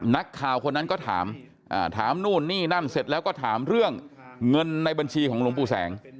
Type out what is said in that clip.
นักข่าวคนนั้นก็ถามถามนู่นนี่นั่นเสร็จแล้วก็ถามเรื่องเงินในบัญชีของหลวงปู่แสง